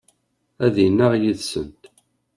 Ad yennaɣ d yid-sent.